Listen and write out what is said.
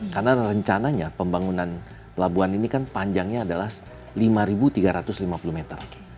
karena rencananya pembangunan pelabuhan ini kan panjangnya adalah lima tiga ratus lima puluh meter